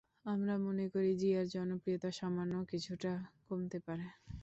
আমরা মনে করি, জিয়ার জনপ্রিয়তা সামান্য কিছুটা কমতে পারে।